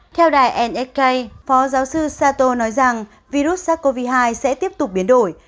theo đài nsk phó giáo sư sato nói rằng virus sars cov hai sẽ tiếp tục biến đổi